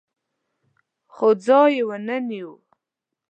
خو ځای یې ونه نیو